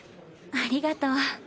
ありがとう。